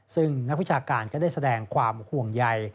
ซึ่งนักวิชาการก็ได้แสดงความห่วงใย